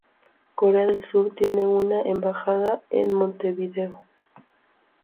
Corea del Sur tiene una embajada en Montevideo.